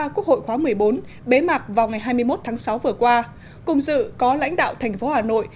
quốc hội khóa một mươi bốn bế mạc vào ngày hai mươi một tháng sáu vừa qua cùng dự có lãnh đạo thành phố hà nội